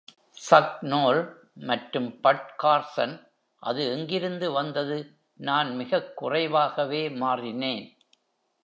Chuck Noll மற்றும் Bud கார்சன்-அது எங்கிருந்து வந்தது, நான் மிகக் குறைவாகவே மாறினேன்.